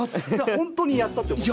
本当にやったって思ってる？